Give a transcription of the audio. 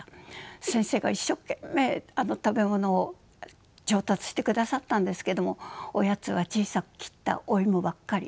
先生が一生懸命食べ物を調達してくださったんですけれどもおやつは小さく切ったお芋ばっかり。